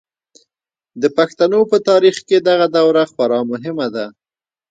د پښتنو په تاریخ کې دغه دوره خورا مهمه ده.